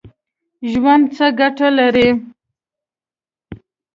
ژوند څه ګټه لري ؟